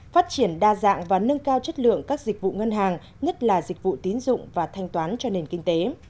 phát triển đa dạng và nâng cao chất lượng các dịch vụ ngân hàng nhất là dịch vụ tín dụng và thanh toán cho nền kinh tế